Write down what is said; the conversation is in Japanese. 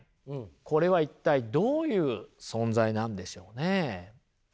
これは一体どういう存在なんでしょうね。